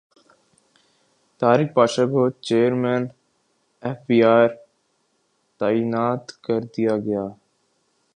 طارق پاشا کو chairman F B R تعینات کردیاگیا